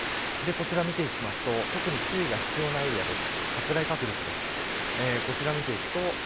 こちら見ていくと特に注意が必要なエリアです。